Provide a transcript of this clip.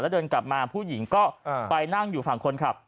แล้วเดินกลับมาผู้หญิงก็ไปนั่งอยู่ฝั่งคนขับ